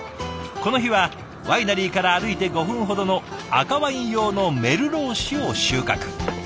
この日はワイナリーから歩いて５分ほどの赤ワイン用のメルロー種を収穫。